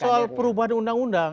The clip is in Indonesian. soal perubahan undang undang